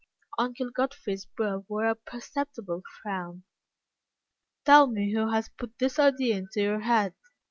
Uncle Godfrey's brow wore a perceptible frown. "Tell me who has put this idea into your head?"